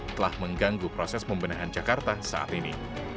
telah mengganggu proses pembenahan jakarta saat ini